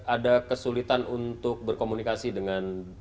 ada kesulitan untuk berkomunikasi dengan